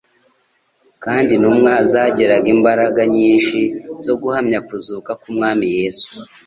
«Kandi intumwa zagiraga imbaraga nyinshi zo guhamya kuzuka k'Umwami Yesu;